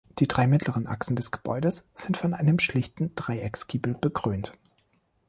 Die drei mittleren Achsen des Gebäudes sind von einem schlichten Dreiecksgiebel bekrönt.